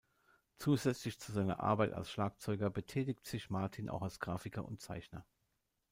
Zusätzlich zu seiner Arbeit als Schlagzeuger betätigt sich Martin auch als Grafiker und Zeichner.